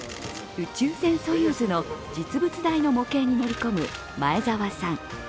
宇宙船ソユーズの実物大の模型に乗り込む前澤さん。